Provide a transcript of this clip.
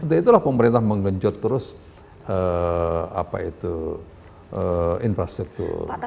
untuk itulah pemerintah menggenjot terus infrastruktur